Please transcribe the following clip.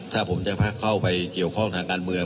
ถ้าผมจะเข้าไปเกี่ยวข้องทางการเมือง